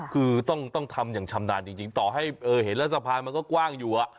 คือต้องทำอย่างชำนาญจริงต่อให้เห็นแล้วสะพานมันก็กว้างอยู่